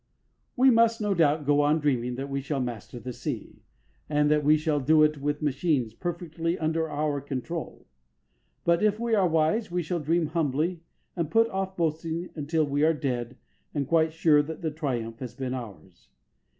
We must, no doubt, go on dreaming that we shall master the sea, and that we shall do it with machines perfectly under our control. But, if we are wise, we shall dream humbly and put off boasting until we are dead and quite sure that the triumph has been ours.